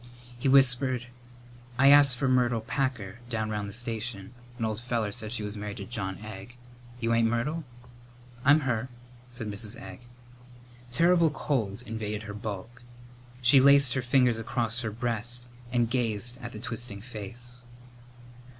He whispered, "I asked for Myrtle Packer down round the station. An old feller said she was married to John Egg. You ain't Myrtle?" "I'm her," said Mrs. Egg. Terrible cold invaded her bulk. She laced her fingers across her breast and gazed at the twisting face.